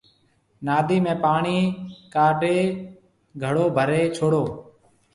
نادِي ۾ پاڻِي ڪاڍي گھڙو ڀرَي ڇوڙو